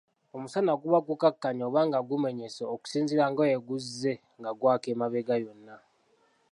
Omusana guba gukkakanye oba nga gumenyese okusinziira nga bwe guzze nga gwaka emabega yonna.